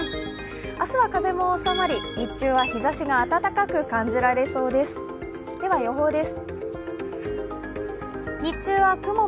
明日は風も収まり、日中は日ざしが暖かく感じられそうです。